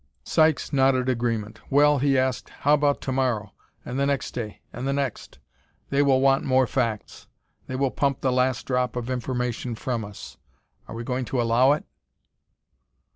Sykes nodded agreement. "Well," he asked, "how about to morrow, and the next day, and the next? They will want more facts; they will pump the last drop of information from us. Are we going to allow it?"